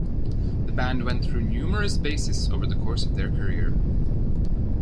The band went through numerous bassists over the course of their career.